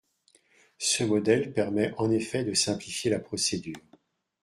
Ce modèle permet en effet de simplifier la procédure.